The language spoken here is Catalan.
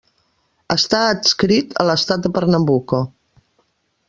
Està adscrit a l'estat de Pernambuco.